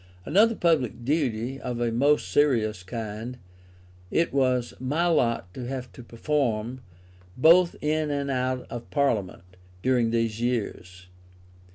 Another public duty, of a most serious kind, it was my lot to have to perform, both in and out of Parliament, during these years.